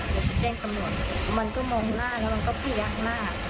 หนูจะแจ้งกำหนดมันก็มองหน้าแล้วมันก็พี่ยักษ์มาก